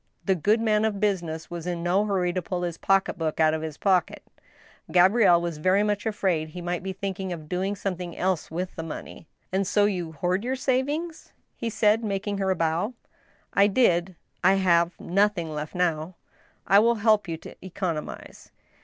The good man of business was in no hurry to pull his pocket book out of his pocket. Gabriellewas very much afraid he might be thinking of doing something else with the money. " And so you hoard your savings }" he said, making her a bow. *• I did — I have nothing left now." " I will help you to economize."